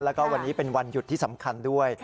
แล้วก็วันนี้เป็นวันหยุดที่สำคัญด้วย